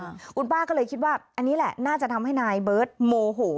คุณป้าก็เลยคิดว่าอันนี้แหละน่าจะทำให้นายเบิร์ตโมโห